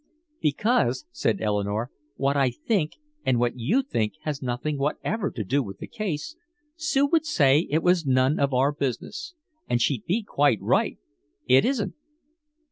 "Because," said Eleanore, "what I think and what you think has nothing whatever to do with the case. Sue would say it was none of our business. And she'd be quite right. It isn't."